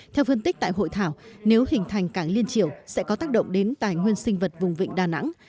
theo phân tích tại hội thảo nếu hình thành cảng liên triều sẽ có tác động đến tài nguyên sinh vật vùng vịnh đà nẵng